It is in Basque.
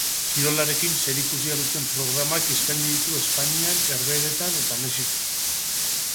Kirolarekin zerikusia duten programak eskaini ditu Espainian, Herbehereetan eta Mexikon.